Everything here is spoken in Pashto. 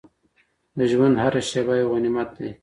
د ژوند هره شېبه یو غنیمت ده.